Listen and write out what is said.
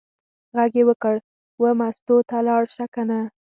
غږ یې وکړ: وه مستو ته لاړه شه کنه.